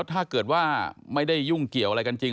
ถ้าเกิดว่าไม่ได้ยุ่งเกี่ยวอะไรกันจริง